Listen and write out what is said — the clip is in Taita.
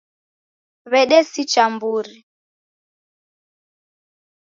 W'edesicha mburi.